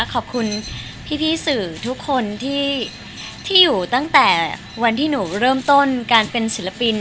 ขอบคุณพี่สื่อทุกคนที่อยู่ตั้งแต่วันที่หนูเริ่มต้นการเป็นศิลปิน